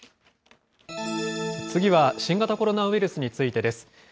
次は新型コロナウイルスについてです。